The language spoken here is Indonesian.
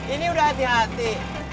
ini udah hati hati